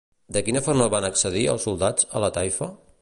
De quina forma van accedir els soldats a la taifa?